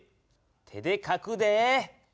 手でかくで！